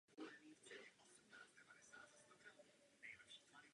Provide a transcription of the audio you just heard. Ostrov je osídlen již od pravěku.